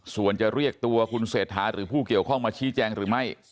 ส่วนจะเรียกตัวคุณเศรษฐาหรือผู้เกี่ยวข้องมาชี้แจงหรือไม่